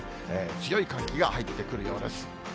強い寒気が入ってくるようです。